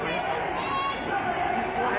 สมัยว่าเวลาคุณจะได้รับทราบที่แบบนี้